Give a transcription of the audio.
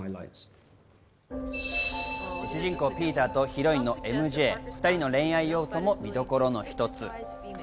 主人公・ピーターとヒロインのＭＪ、２人の恋愛要素も見どころの一つ。